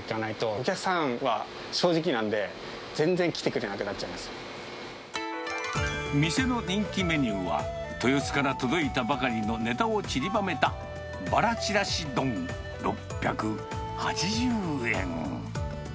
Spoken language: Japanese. お客さんは正直なんで、店の人気メニューは、豊洲から届いたばかりのネタをちりばめたバラちらし丼６８０円。